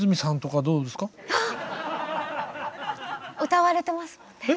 ああ歌われてますもんね。